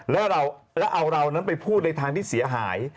แล้วเราเอาเรานั้นไปพูดในทางที่เสียหาย